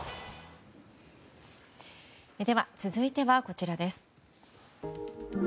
では続いてはこちらです。